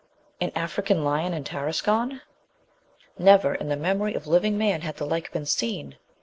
An African lion in Tarascon? Never in the memory of living man had the like been seen.